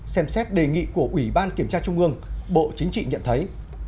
xem xét đề nghị của ủy ban kiểm tra trung ương bộ chính trị nhận thấy